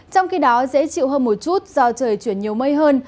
trong khi đó dễ chịu hơn một chút do trời chuyển nhiều mây hơn